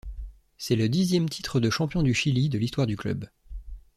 C'est le dixième titre de champion du Chili de l'histoire du club.